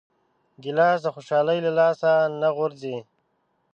ګیلاس د خوشحالۍ له لاسه نه غورځي.